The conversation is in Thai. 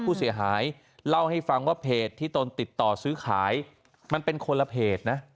ผู้เสียหายเล่าให้ฟังว่าเพจที่ตนติดต่อซื้อขายมันเป็นคนละเพจนะ